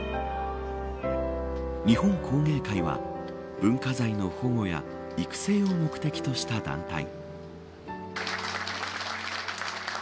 日本工芸会は文化財の保護や育成を目的とした団体。